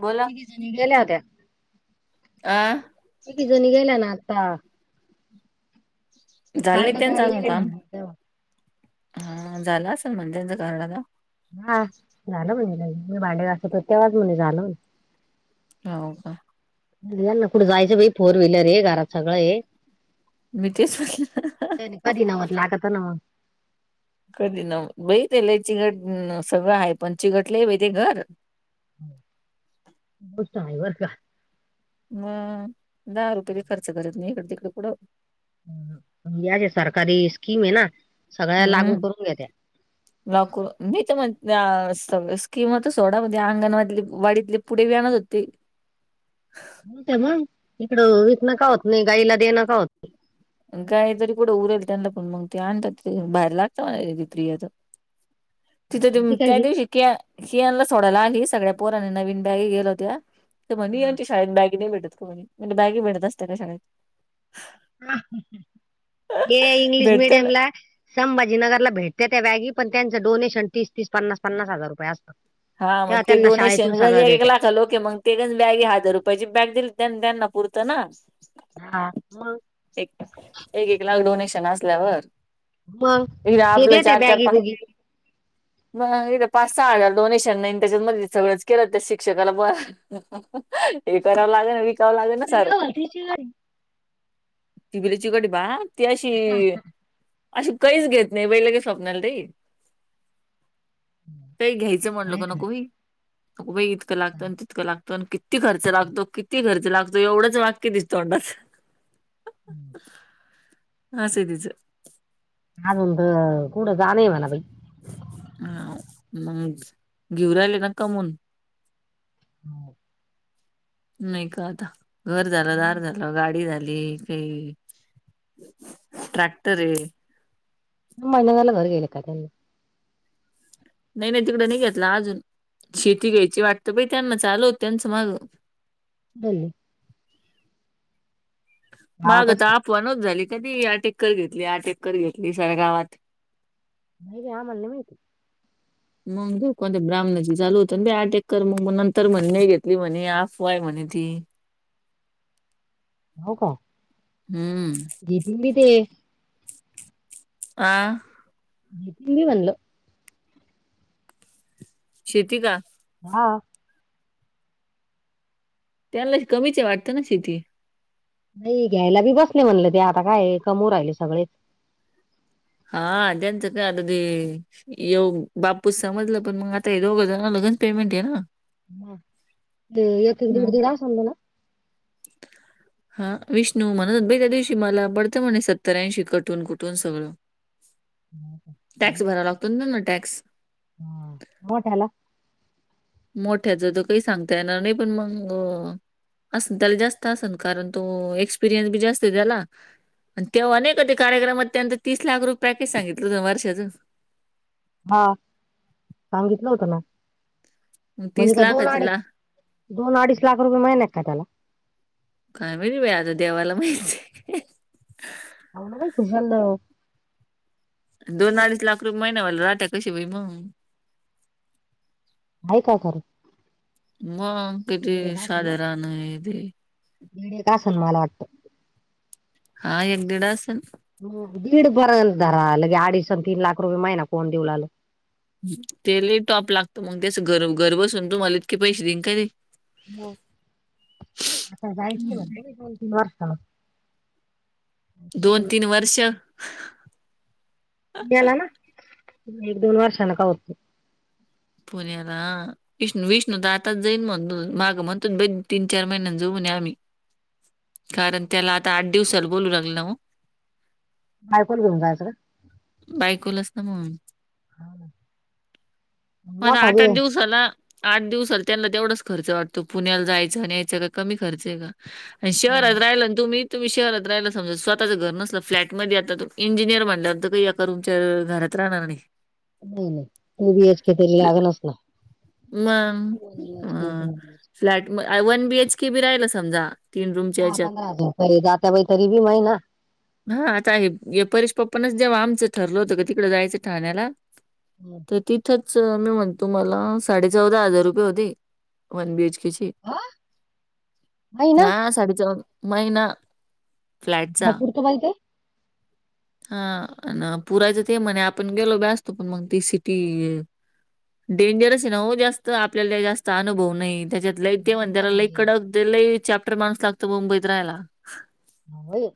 बोला. तीघीजणी गेल्या होत्या आं तीघीजणी गेल्या ना आता ते झालं कार्ड त्यांचं करायला अजून गेले काम. म्हण तेव्हा हा झालं असेल म्हणे त्यांच [unintelligible] हा झालं म्हणेज ल मी भांडे घासतो तेवज म्हणे झालं हो का या ना कुठे जायचं बाई फोर व्हीलर आहे घरात सगळं आहे मी तेच म्हटलं कधी नवत लागत [unintelligible] कधी न बाई तेला चिगट सगळं आहे पण चिगट लय बाई ते घर गोष्ट आहे बर का मग दहा रुपये बी खर्च करत नाही इकड तिकडे कुठं या ज्या सरकारी स्कीम आहे ना सगळ्या लागू करून घेत्या लॉकरू मी तर म्हण अह स्कीमच सोडा म्हणजे अंगणवाडी वाडीतली पुढव्यान जती होत मग तिकडं विकणं का होत नाही गाईला देणं का होत नाही गाय तरी कुठे उरेल त्यांना पण मग ते आणतात बाहेर लागतं [unintelligible] [inaudible] तिथे ती काय त्या जी दिवशी किया कियानला सोडायला आली सगळ्या पोराने नवीन बॅग घेत होत्या म्हणे यांच्या शाळेत बॅगी नाही भेटत, म्हणी म्हणजे बॅग भेटत असत का शाळेत ते इंग्लिश भेटत मीडियम ना. ला संभाजीनगरला भेटते त्या बॅगी पण त्यांचं डोनेशन तीस तीस पन्नास पन्नास हजार रुपये असत हा मग ते डोनेशन [unintelligible] एक लाखलोके मग तीनच बॅगे हजार रुपयाची बॅग दिली त्यां त्यांना पुरतं ना हा मग चे एक एक लाख डोनेशन असल्यावर मग इ ते आपलं देत्या चार चार बॅगी पा बुगी. इ पास आळ. डोशन त्याच्या सगळ के शिक्षकाला कराव लागे. च लाग ना सर तिबरीची कडी बा ती अशी काहीच घेत नाही बाई लग स्वप्नाला ताई काही घ्यायचं म्हणल का नको भई नको बा इतकं लागतं आणि तितकं लागतं. किती खर्च लागतो किती खर्च लागतो एवढंच वाक्य दिसतो अंडाच हा सधच. अजोंद कड जाान म ना बाई. हा मग घेऊ राहिले ना कमून हम्. नाही का आता घर झालं दार झालं गाडी झाली काही ट्रॅक्टर ये नम मला वर गले कात [unintelligible] नाही नाही तिकडं नाही घेतला अजून शेती घ्यायची वाटतं प त्यांना चाल हो त्यांचं मग बले माग गावातच तर का अफवनच झाली कनी अटेक्कर घेतली अटेक्कर घेतली सर गावात नाहीे आ मण मीती मग ज कोणत्या ब्राह्मणाची चाल होत ना अटेक कर मग मग नंतर म्हणे नाही घेतली म्हणे आफवाय म्हणे ती हो का? हम्म. जती मी ते आ. भीतीनी म्हणलो. शेती का? हा. त्यांना कमीचे वाटतं ना शेती नाही घ्यायला बी बसले म्हणले ते आता काय कमू राहिले सगळे. हा अजेनस का अदीी येऊ बापूस समजलं पण मग आता हे दोघंजण लगन पेमेंट आहे ना. हा ते एक एक दवड मग दिड सज ना. [unintelligible] हा विष्णू म्हणत भाई त्या दिवशी मला पडतं म्हणे सत्तऱऐंशी कटून कुठून सगळं. टॅक्स भरा लागतो ना ना टॅक्स हम मोटला. मोठ्याच त काही सांगता येणार नाही पण मग अस त्याला जास्त असल कारण तो एक्सपिरियन्स बी जास्त आहे त्याला आणि तेव्हा अक ते कार्यक्रमात त्यांचं तीस लाख रुपये पॅकेज सांगितलं वर्षाचं हा सांगितलं होतं ना. मग तीस म्हणजे का दोन लाखाचं अडीच ला दोन अडीच लाख रुपये मिळनात का त्याला काय म्हहि आता देवाला माहिती हो ना भाई खुश झा ना. दोन अडीस लाख रुपये महिनावाला राहत्या कशी बाई मग आहे का खरं. मग किती दीड साध राण ते का स मला वाटतं हा एक दिड असन. दीड बर्यंतरालंगे अडीस तीन लाख रुपये महिना कोण देऊला आल ते लय टॉप लागत मग त्याच घर घर बसून तुम्हाला इतके पैसे देईन कायरे? हो आता जायच हम्म. वाटतय दोन तीन वाजता! दोन तीन वर्ष! गेला ना! एक दोन वर्षा न का होत. पुन्हा ला. विष्णू विष्णू तर आताच जाईन म्हण मागं म्हणतोच बई तीन चार महिन्यां जाऊन आम्ही. कारण त्याला आता आठ दिवसाला बोलू लागलं मग. मायकोल घेऊन कायचं. बायकोलाच ना म्हणून! हा ना. मला आठ आठ दिवसाला आठ दिवसला त्यांना तेवढाच खर्च वाटतो पुण्याला जायचं आणि यायचं काय कमी खर्च आहे का? आणि शहरात नाही राहिला ना तुम्ही तुम्ही शहात राहिला समजा स्वःचं घर नसल फ्लॅटध्ये आता त इंजिनियर म्हणल्यानंतर काय रूम च्या घरात राहणार नाही. नाही नाही, टू बीएचके तरी लागेलच ना! मग अ, फ्लॅट म वन बीएच के बी राहिल समजा! रूमच्या दहा ह्याच्यात. पंधरा हजार रुपये जात्या बाई तरी बी होय ना? हा आता आहे परेश पप्पानाच जेव्हा आमचं ठरलं होतं का तिकडं जायचं ठाण्याला [unintelligible] तिथेच मी म्हणतो मला साडे चौदा हजार रुपये होते वन बीएचकेचे. हा महिना हा साडेचा चौदा महिना. काय फ्लॅटचा. पुरतं बाई ते! हा पुरायचं ते म्हणे आपण गेलो बी असतो, पण मग ती सिटी डेंजरच आहे ना ओ जास्त आपल्याला जास्त अनुभव नाही त्याच्यात लय ते म्हणतान डेंजर त्याला लईक म्हणजे कडक लई चॅप्टर माणूस लागतो मुंबईत राहायला. होय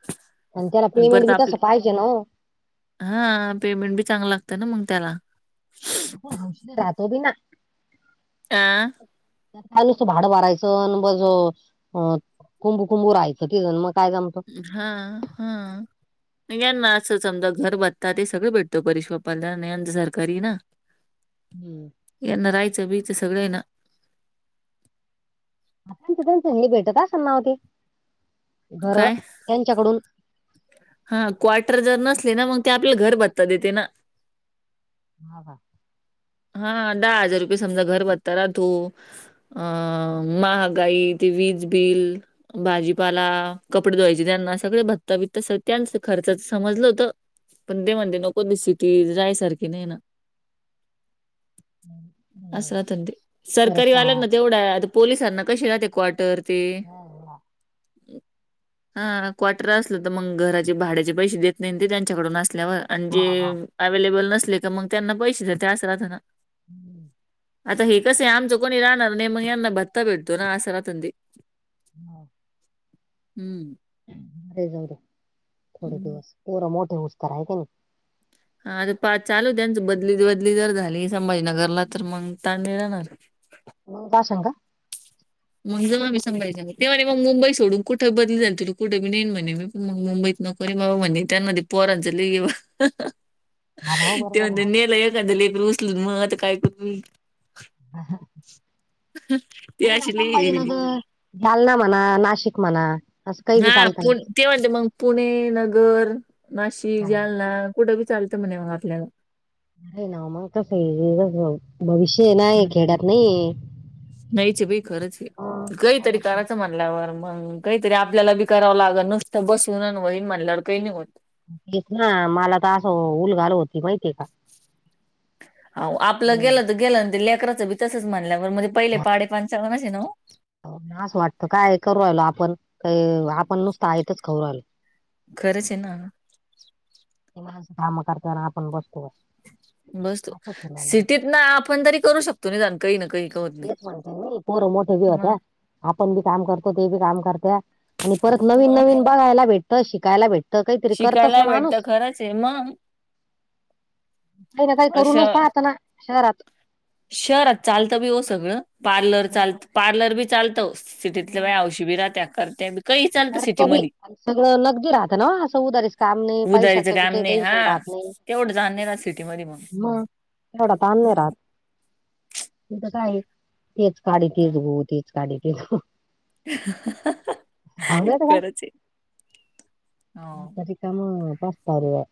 पण त्याला पेमेंट बी तसं पाहिजे ना ओ? हा पेमेंट बी चांगलं लागतं ना मग त्याला! हा हौशीन बी राहतो बी ना. आ! काय नुसतं भाडं भारायचं आणि बज अ कुंबू कुंबू राहायंच तिथ मग काय जमायचं. हा हा! याना असं समजा घर बघता ते सगळं भेटतो परेश बाप्पाला नाही याचं सरकारी आहे ना? [inaudible] हम्म! यांना राहायचं बियचं सगळं आहे ना? आता त्याचं त्याचं हे भेटत असलं ना ओ ते घर त्यांच्याकडून! हा क्वार्टर जर नसले ना मग ते आपल्या घर बत्ता देते ना? हा हा! हा दहा हजार रुपये समजा घर बत्ता राहतो. अं महागाई ती वीज बिल भाजीपाला, कपडे धूवायचे त्यांना सगळे भत्ताभित्त त्यांच खर्चच समजलं होतं. पण ते म्हणते नको ती सिटी जायसारखी नाही ना. [inaudible] असं राहते ते परत सरकारी शाळा वाल्यांना तेवढ आहे आता पोलिसांना कशी राहते कोर्टर ते! हा हा क्वार्टर असल तर मग घराचे भाड्याचे पैसे देत नाही ते त्यांच्याकडून असल्यावर. आणि हा हा, हा. जे अवे्लेबल नसले का मग त्यांना पैसे देते अस राहतना. [inaudible] आता हे कसं आहे आमचं कोणी राहणार नाही मग यांना भत्ता भेटतोयना आस राहतय. हो. हम्म! ते जाऊ दे थोडे हम्म. दिवस पोरे मोठे होसतोवर आहे का नाय हा चालू आहे त्यांच बदली-बदली जर झाली. संभाजीनगरला तर मग ताय मी राहणार. [unintelligible] मग जेव्हा मी सांगायचे ग तेवा-तेवा मग मुंबई सोडून कुठे बदली झाली तु कुठे पण नन्हेण म्हणे म पण मग मुंबईत नोकरी मव म्हणणे त्यांना पोरांच ल येव हा ना हो ते बरोबर आहे म्हणते ना. नेल एखादं लेकरू उचलून मग आता काय करू मी ते नाही ना अशी लई संभाजीनगर जालना म्हणा नाशिक म्हणा असं काही बी हा चालत ना पु ते म्हणते मग पुणे नगर नाशिक हा. जालना कुठं ब चालतं म्हणे मग आपल्याला. अरे नाव मग तस भविष्य नाही खेडत नाही. नाहीचे बाई खरंच हा, आहे काय काहीतरी करते करायचं म्हणल्यावर मग. काहीतरी आपल्याला बी कराव लागल नुसतं बसून वहीण म्हणल्यावर काही नाही होत. ते ना मला तर असं उल घाल होती माहि. आपलं हम्म. गेलं तर गेलं ते लेकराच भ. तसंच म्हणलंवर मध्येे पहिले पाडे पनंचाव्वनच न्हवं नास वाटतं काय करू राहिलो आपण काही आपण नुसतं आहेथच खाऊ राहिलो. खरंच आहे ना काम करताना आपण बसतो. बसतो असंच होऊ राहिलं सिटीत ना आपण तरी करू शकतो. नाही जाण काही ना काही का होत नाही. तेच म्हणते मी पोर मोठे बी होत्या मग आपण बी काम करतो ते बी काम करत्या. आणि परत मग नवीन-नवीन बघायला भेटत शिकायला भेटतं. तर काहीतरी करतस शिकायला ना भेटत माणूस खरंच आहे मग काही ना काही करूनच असं पाहत ना शहरात शहरात चालतं बी हो सगळं पार्लर चालत पार्लर बी चालतं सिटीतल्या वे वष बिरा त्या करत्याबी करते बी सगळं नगदी राहतं ना असं उदारीच काम नाही उदारीचं पैशाचं बी काम काही नाही हा टेन्शन राहत नाही. तेवढं जा नाही ना राहत सिटीमध्ये मग तेवढा ताण नाही राहात ह तिथ काय तेच काडी तेच गो तेच काडी ते थो आवडत खरचे मधी का काम पस्ताव रे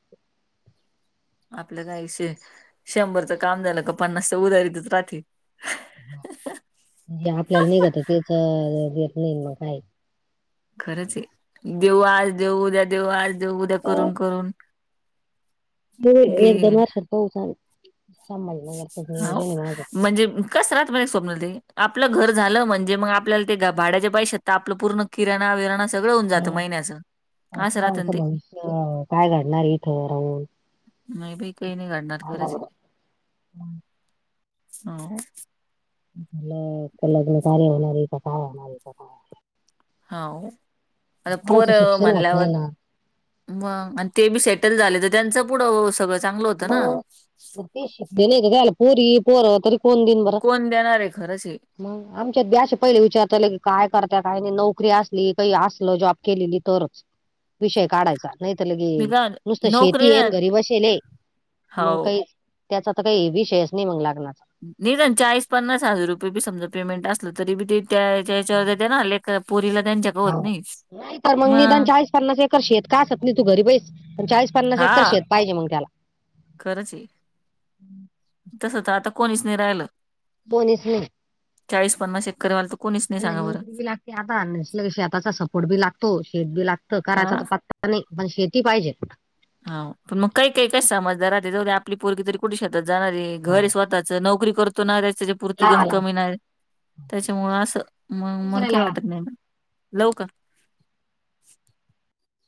आपलं काहीे शंभरचं काम झालं का पन्नासच उदारीतच राहतील. ते आपल्याला निघत केच घेत नाही मग काय खरंच आहे देऊ आज-देऊ उद्या-देऊ आज-देऊ उद्या करून-करून म एक दोन वर्षात पहच झालं संभाजीनगर करत हो नियोजन आहे माझ म्हणजे कस रात मला एक स्वप्न दे आपलं घर झालं म्हणजे मग आपल्याला ते भाड्याचे पैशात आपलं पूर्ण किराणा विराणा सगळं होऊन जातं हं महिन्याचं असं राहत ना आमचं ते भविष्य काय घडणार इथं राहून नाही बी काही नाही घडणार सांगा खरंच आहे. बरं. हो ल लग्न कार्य होणार आहे का काय होणार आहे. काय हो आता पोर पोरांचं शिक्षण होत म्हणल्यावर नाही ना मग आणि ते बी सेटल झाले तर त्यांचं पुढं हो सगळं चांगलं होतं ना मग ते शिकलेले नाही का त्याला पोरी पोर तरी कोण दिल बर कोण देणार आहे खरंच हे मग आमच्यात ब्या अस पहिले विचारताले की काय करता काही नाही नोकरी असली काही असलं जॉब केलेली तोरच विषय काढायचा नाहीत लगी मी काय म्हणते, नुसतं नोकरी शेती ना येन घरी बसेले आहे. मग हो काही त्याचा तर काही विषयच नाही मग लागणारचा नाही जा चाळीस पन्नास हजार रुपये बी समजा पेमेंट असल तरी बी ते त्याच्यावर नाले प पुरीला दिन तर मग निदान ळी पन्नास एकर शेत का होतली तू घरी बेस पण चास पन्नास हा एकर शेत पाहिजे मग त्याला खरंच आहे तस तर आता कोणीच नाही राहिलं. बोनीस नाही. शेकरवाल त को नोकरी बी लागते आता शेताचा सपोर्ट बी लागतो शेत बी लागत हा करायचा पत्ता नाही पण शेती पाहिजे. हाव पण मग काही-काही काय समजदार राहत्या एवढ्या आप आपली पोरगी तरी कुठ शेतात जाणार आहे हा घर स्वतःच नोकरी करतो ना त्याच्या पूर्ती लावा गंज लावा कमी नाही. त्याच्यामुळं असं म मग दुसऱ्या काही लावा वाटत नाही ना लव का?